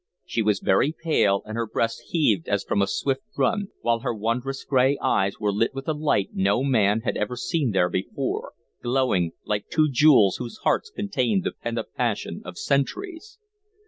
She was very pale and her breast heaved as from a swift run, while her wondrous gray eyes were lit with a light no man had ever seen there before, glowing like two jewels whose hearts contained the pent up passion of centuries.